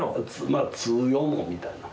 まあ通用門みたいな。